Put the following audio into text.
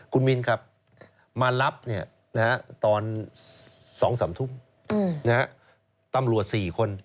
คุณมินครับมารับตอน๒๓ทุ่มตำรวจ๔คน